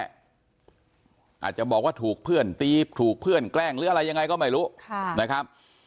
อาจจะบอกว่าถูกเพื่อนตีถูกเพื่อนแกล้งหรืออะไรยังไงก็ไม่รู้นะครับ